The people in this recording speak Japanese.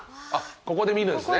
ここで見るんですね。